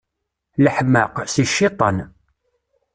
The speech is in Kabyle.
Leḥmeq, si cciṭan.